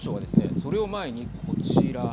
それを前に、こちら。